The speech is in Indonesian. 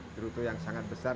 cerutu yang sangat besar